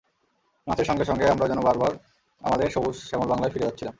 নাচের সঙ্গে সঙ্গে আমরা যেন বারবার আমাদের সবুজ শ্যামল বাংলায় ফিরে যাচ্ছিলাম।